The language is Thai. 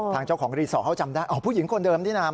ทางเจ้าของรีสอร์ทเขาจำได้ผู้หญิงคนเดิมนี่นะ